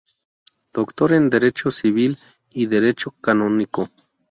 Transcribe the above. Doctor en Derecho Civil y en Derecho Canónico.